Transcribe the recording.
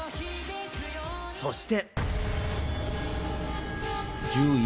そして。